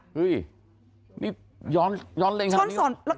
เฮ้ยนี่ย้อนเลยไง